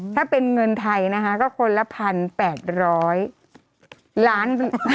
ถ้าเป็นเงินไทยนะคะก็คนละ๑๘๐๐ล้าน